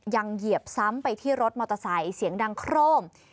เหยียบซ้ำไปที่รถมอเตอร์ไซค์เสียงดังโครม